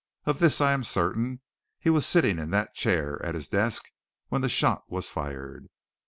Of this I am certain he was sitting in that chair, at his desk, when the shot was fired."